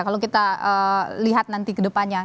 kalau kita lihat nanti kedepannya